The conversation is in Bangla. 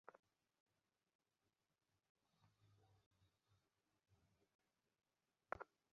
আমার অধ্যায় এখানেই শেষ।